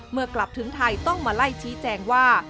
กลับถึงไทยต้องมาไล่ชี้แจงว่า